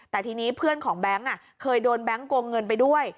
แต่ทีนี้เพื่อนของแบงค์เคยโดนแบงค์โกงเงินไปด้วย